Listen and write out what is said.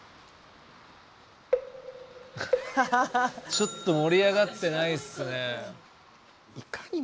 ちょっと盛り上がってないっすね。